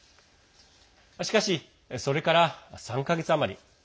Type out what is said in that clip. しかし、それから３か月余り。